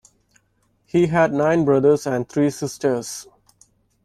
He had nine brothers and three sisters.